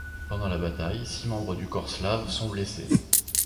Pendant la bataille, six membres du corps slave sont blessés.